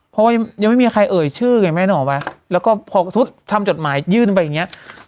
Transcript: เพราะว่ายังไม่มีใครเอ่ยชื่อไงแม่นึกออกไหมแล้วก็พอทำจดหมายยื่นไปอย่างเงี้ย